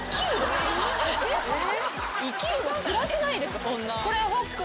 生きるのつらくないですか？